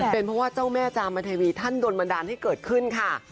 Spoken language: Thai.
เป็นเพราะว่าเจ้าแม่จามเทวีท่านโดนบันดาลให้เกิดขึ้นค่ะ